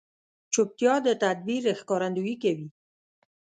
چوپتیا، د تدبیر ښکارندویي کوي.